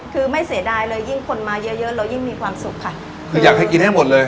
คือไม่เสียดายเลยยิ่งคนมาเยอะเยอะเรายิ่งมีความสุขค่ะคืออยากให้กินให้หมดเลย